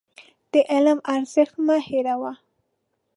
د علم ارزښت مه هېروه.